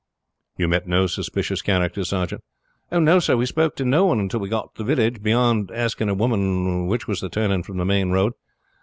"You met no suspicious characters, sergeant?" "No, sir. We spoke to no one until we got to the village, beyond asking a woman which was the turning from the main road.